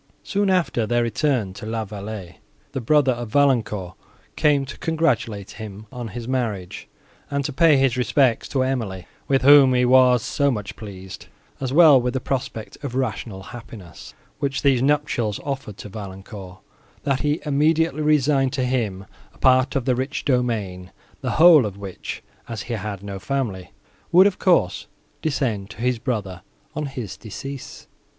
Soon after their return to La Vallée, the brother of Valancourt came to congratulate him on his marriage, and to pay his respects to Emily, with whom he was so much pleased, as well as with the prospect of rational happiness, which these nuptials offered to Valancourt, that he immediately resigned to him a part of the rich domain, the whole of which, as he had no family, would of course descend to his brother, on his decease.